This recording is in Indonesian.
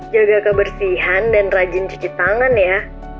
jaga kebersihan dan rajin cuci tangan ya